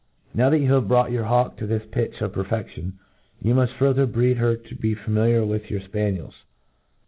Now that you have brought your hawk to this pitch of perfedion, you muft further breed . her to be familiar with yourTpaniels.